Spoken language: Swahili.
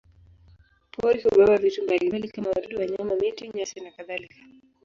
Pori hubeba vitu mbalimbali kama wadudu, wanyama, miti, nyasi nakadhalika.